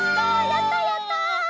やったやった！